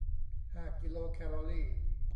ห้ากิโลแคลอรี